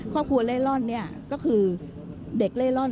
ครอบครัวเล่ร่อนเนี่ยก็คือเด็กเล่ร่อน